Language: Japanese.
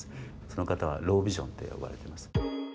その方はロービジョンって呼ばれてます。